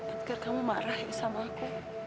edgar kamu marah ya sama aku